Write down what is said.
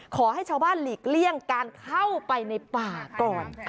ขอให้ชาวบ้านหลีกเลี่ยงการเข้าไปในป่าก่อน